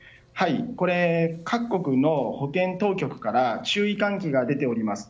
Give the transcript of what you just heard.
各国の保健当局から注意喚起が出ております。